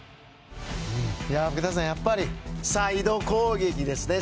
福田さん、やっぱりサイド攻撃ですね。